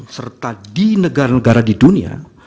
serta di negara negara di dunia